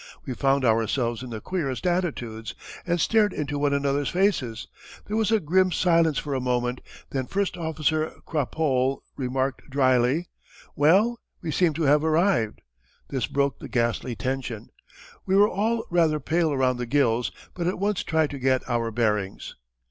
We found ourselves in the queerest attitudes and stared into one another's faces. There was a grim silence for a moment, then First Officer Krapohl remarked dryly: "Well, we seem to have arrived!" This broke the ghastly tension. We were all rather pale around the gills, but at once tried to get our bearings.